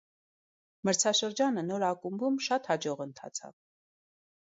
Մրցաշրջանը նոր ակումբում շատ հաջող ընթացավ։